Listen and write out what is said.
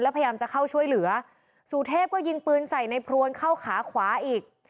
พยายามจะเข้าช่วยเหลือสุเทพก็ยิงปืนใส่ในพรวนเข้าขาขวาอีก